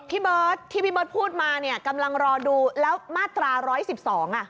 พี่เบิร์ดที่พี่เบิร์ดพูดมาเนี่ยกำลังรอดูแล้วมาตรา๑๑๒อ่ะ